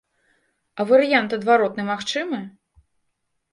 А варыянт адваротны магчымы?